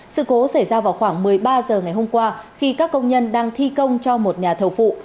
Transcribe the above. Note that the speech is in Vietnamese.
sự cố xảy ra vào khoảng một mươi ba h ngày hôm qua khi các công nhân đang thi công cho một nhà thầu phụ